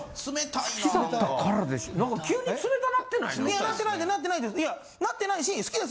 いやなってないなってないです。